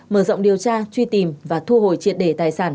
mở rộng điều tra truy tìm và thu hồi triệt để tài sản